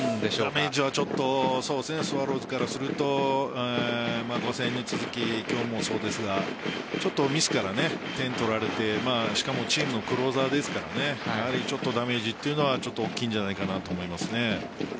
ダメージはちょっとスワローズからすると５戦に続き、今日もそうですがちょっとミスから点を取られてしかもチームのクローザーですからねダメージというのは大きいんじゃないかなと思います。